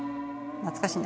懐かしいね